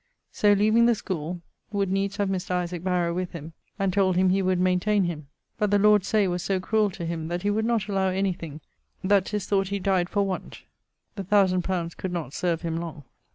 So leaving the schoole, would needs have Mr. Isaac Barrow with him, and told him he would maintaine him. But the lord Say was so cruel to him that he would not allow anything that 'tis thought he dyed for want. The 1000 li. could not serve him long.